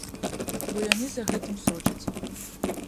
Бо яны за гэтым сочаць.